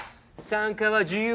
参加は自由